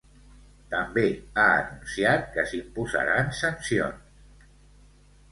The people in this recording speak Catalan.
També ha anunciat que s'imposaran sancions.